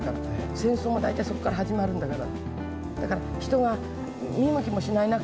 戦争も大体そこから始まるんだから。